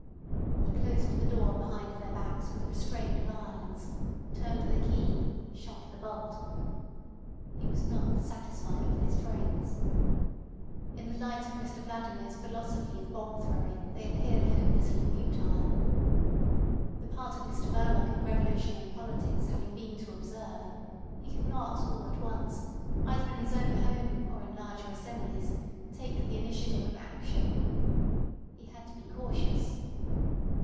He closed the door behind their backs with restrained violence, turned the key, shot the bolt. He was not satisfied with his friends. In the light of Mr Vladimir's philosophy of bomb throwing they appeared hopelessly futile. The part of Mr Verloc in revolutionary politics having been to observe, he could not all at once, either in his own home or in larger assemblies, take the initiative of action. He had to be cautious.